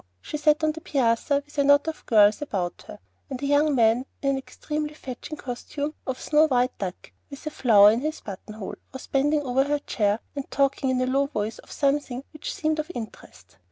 she sat on the piazza with a knot of girls about her, and a young man in an extremely "fetching" costume of snow white duck, with a flower in his button hole, was bending over her chair, and talking in a low voice of something which seemed of interest.